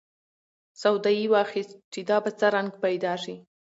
سودا یې واخیست چې دا به څه رنګ پیدا شي.